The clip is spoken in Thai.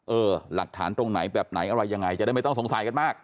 เออหลักฐานตรงไหนแบบไหนอะไรยังไงจะได้ไม่ต้องสงสัยกันมาก